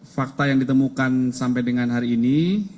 fakta yang ditemukan sampai dengan hari ini